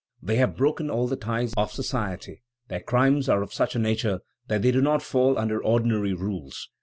They have broken all the ties of society; their crimes are of such a nature that they do not fall under ordinary rules.